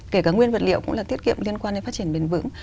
kể cả nguyên vật liệu cũng là tiết kiệm liên quan đến phát triển bền vững